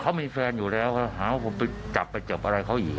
เขามีแฟนอยู่แล้วหาว่าผมไปจับไปจับอะไรเขาอีก